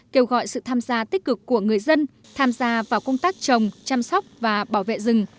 kêu gọi sự tham gia tích cực của người dân tham gia vào công tác trồng chăm sóc và bảo vệ rừng